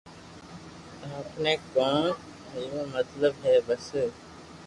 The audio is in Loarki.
آپ ني ڪوم ميون مطلب ھي بس